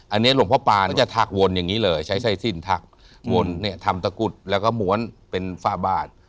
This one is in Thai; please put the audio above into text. อันนี้หลวงพ่อปานจะถักวนอย่างนี้เลยใช้ไส้สิ้นทักวนเนี่ยทำตะกุดแล้วก็ม้วนเป็นฝ้าบาด